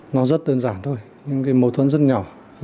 nó rất đơn giản thôi nhưng cái mâu thuẫn rất nhỏ